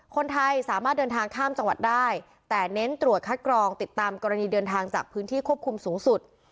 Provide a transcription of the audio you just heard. คนไทยสามารถเดินทางข้ามจังหวัดได้แต่เน้นตรวจคัดกรองติดตามกรณีเดินทางจากพื้นที่ควบคุมสูงสุด